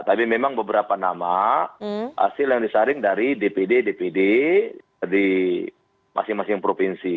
tapi memang beberapa nama hasil yang disaring dari dpd dpd di masing masing provinsi